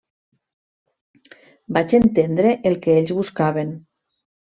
Vaig entendre el que ells buscaven.